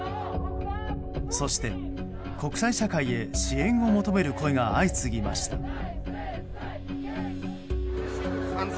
そして国際社会へ支援を求める声が相次ぎました。